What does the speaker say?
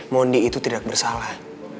mondi itu tidak bersalah